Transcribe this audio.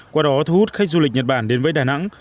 qua đó thu hút khách du lịch nhật bản đến với đà nẵng